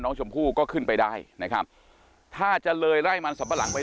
น้องชมพู่ก็ขึ้นไปได้นะครับถ้าจะเลยไร่มันสัมปะหลังไป